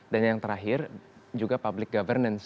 dan yang terakhir juga public governance